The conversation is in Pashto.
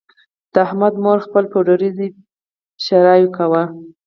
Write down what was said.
د احمد مور خپل پوډري زوی ښیرأ کاوه.